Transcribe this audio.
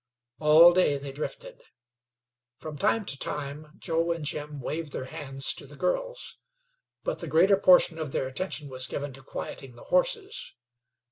All day they drifted. From time to time Joe and Jim waved their hands to the girls; but the greater portion of their attention was given to quieting the horses.